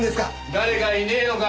誰かいねえのか？